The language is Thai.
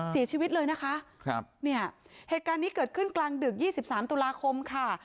เสียชีวิตเลยนะคะครับเนี่ยเหตุการณ์นี้เกิดขึ้นกลางดึก๒๓ตุลาคมค่ะ